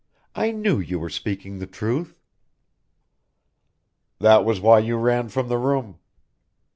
I knew you were speaking the truth." "That was why you ran from the room."